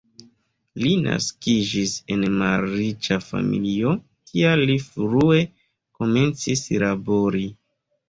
Li naskiĝis en malriĉa familio, tial li frue komencis labori.